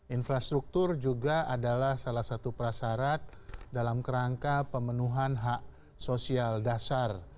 infrastruktur juga adalah salah satu prasarat dalam kerangka pemenuhan hak sosial dasar